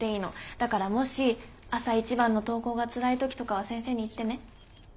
だからもし朝一番の登校がつらい時とかは先生に言ってね。